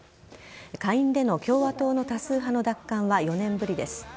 下院での共和党の多数派の奪還は４年ぶりです。